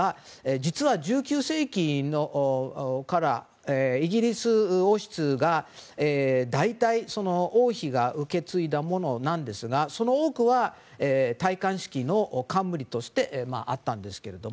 実は、１９世紀からイギリス王室が代々、王妃が受けついたものなんですがその多くは、戴冠式の冠としてあったんですけれども。